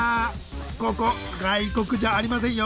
ここ外国じゃありませんよ。